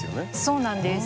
そうなんです。